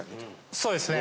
そうですね